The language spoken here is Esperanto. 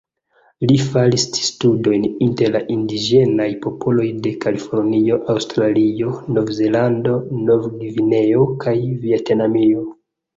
Li faris studojn inter la indiĝenaj popoloj de Kalifornio, Aŭstralio, Novzelando, Novgvineo kaj Vjetnamio.